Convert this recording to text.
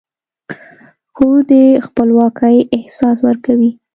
کور د خپلواکۍ احساس ورکوي.